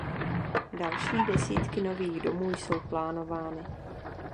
Další desítky nových domů jsou plánovány.